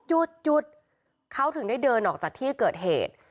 หยุดหยุดเขาถึงได้เดินออกจากที่เกิดเหตุ